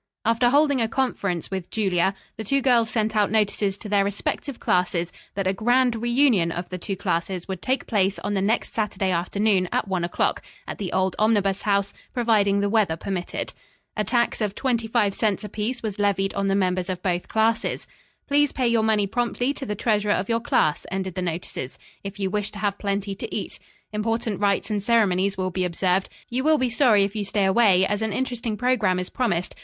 After holding a conference with Julia, the two girls sent out notices to their respective classes that a grand reunion of the two classes would take place on the next Saturday afternoon at one o'clock, at the old Omnibus House, providing the weather permitted. A tax of twenty five cents apiece was levied on the members of both classes. "Please pay your money promptly to the treasurer of your class," ended the notices, "if you wish to have plenty to eat. Important rites and ceremonies will be observed. You will be sorry if you stay away, as an interesting program is promised.